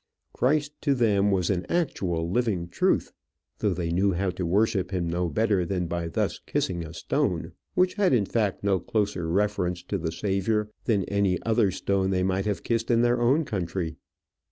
Christ to them was an actual living truth, though they knew how to worship him no better than by thus kissing a stone, which had in fact no closer reference to the Saviour than any other stone they might have kissed in their own country.